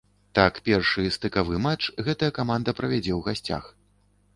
Так першы стыкавы матч гэтая каманда правядзе ў гасцях.